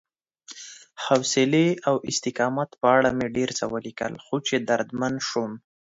حوصلې او استقامت په اړه مې ډېر څه ولیکل، خو چې دردمن شوم